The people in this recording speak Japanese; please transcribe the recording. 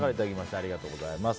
ありがとうございます。